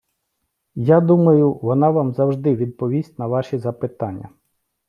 Я думаю, вона вам завжди відповість на ваші запитання!